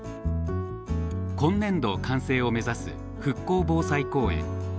今年度完成を目指す復興防災公園。